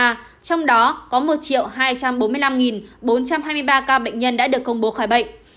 trong đó có một hai trăm bốn mươi năm bốn trăm hai mươi ba ca bệnh nhân đã được công bố khỏi bệnh